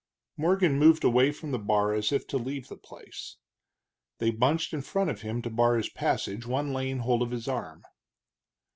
Morgan moved away from the bar as if to leave the place. They bunched in front of him to bar his passage, one laying hold of his arm.